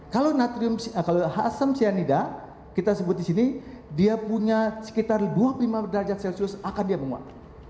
kalau natrium asam cyanida kita sebut di sini dia punya sekitar dua puluh lima derajat celcius akan dia menguat